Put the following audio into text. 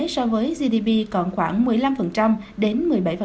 so với gdp còn khoảng một mươi năm đến một mươi bảy